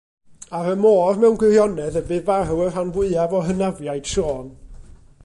Ar y môr mewn gwirionedd y bu farw y rhan fwyaf o hynafiaid Siôn.